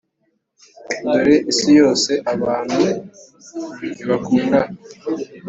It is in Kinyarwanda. Dore isi yose abantu ntibakundana